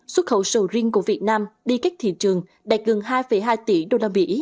xuất khẩu sầu riêng của việt nam đi cách thị trường đạt gần hai hai tỷ usd